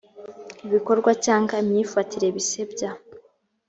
ibikorwa cyangwa imyifatire bisebya